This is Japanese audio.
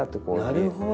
なるほど！